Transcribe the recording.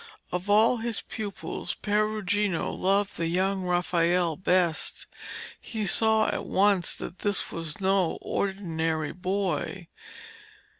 Of all his pupils, Perugino loved the young Raphael best. He saw at once that this was no ordinary boy.